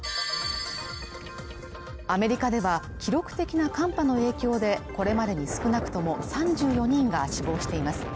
アメリカでは記録的な寒波の影響でこれまでに少なくとも３４人が死亡しています